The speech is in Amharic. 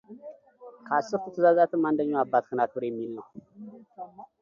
ከአስርቱ ትእዛዛትም አንደኛው አባትህን አክብር የሚል ነው፡፡